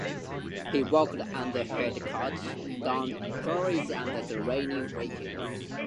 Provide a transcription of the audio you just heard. He worked under head coaches Don Chaney and Lenny Wilkens.